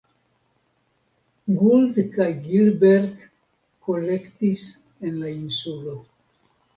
Gould kaj Gilbert kolektis en la insulo.